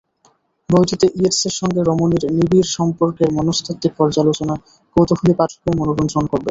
বইটিতে ইয়েটসের সঙ্গে রমণীর নিবিড় সম্পর্কের মনস্তাত্ত্বিক পর্যালোচনা কৌতূহলী পাঠকের মনোরঞ্জন করবে।